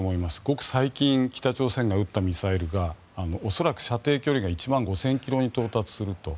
ごく最近、北朝鮮が撃ったミサイルが恐らく射程距離が１万５０００ｋｍに到達すると。